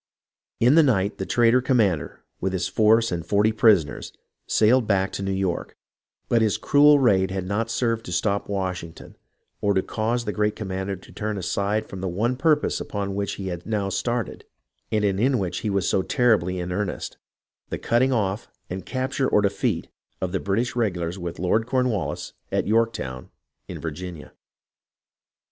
In the night, the traitor commander, with his force and forty prisoners, sailed back to New York ; but his cruel raid had not served to stop Washington or to cause the great commander to turn aside from the one purpose upon which he had now started and in which he was so terribly in earnest, — the cutting off and capture or defeat of the British regulars with Lord Cornwallis at Yorktown in Vir ginia.